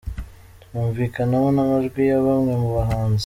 humvikanamo namajwi ya bamwe mu bahanzi.